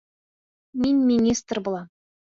Мин министр булам!